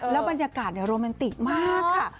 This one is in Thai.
แล้วบรรยากาศเนี่ยโรแมนติกมากค่ะ